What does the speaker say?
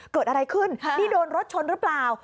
เกิดอะไรขึ้นนี่โดนรถชนหรือเปล่า